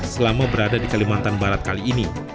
selama berada di kalimantan barat kali ini